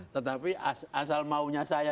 tetapi asal maunya saya